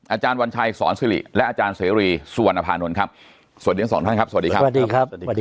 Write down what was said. อาจารย์วัญชัยศรสิริและอาจารย์เสรีสุวรรณภานนท์ครับสวัสดีครับ๒ท่านครับสวัสดีครับ